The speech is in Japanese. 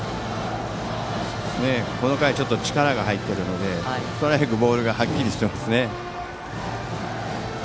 この回、ちょっと力が入っているのでストライク、ボールがはっきりしてますね。